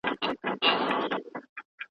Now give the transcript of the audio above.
د سانسور شويو کتابونو مخنيوی بايد وشي.